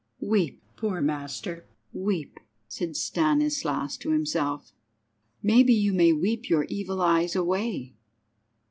"Weep, poor master, weep," said Stanislas to himself. "Maybe you may weep your evil eyes away."